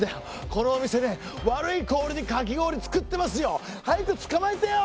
このお店ね悪い氷でかき氷作ってますよ。早く捕まえてよ！